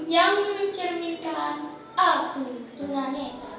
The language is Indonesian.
yang mencerminkan aku tunaneta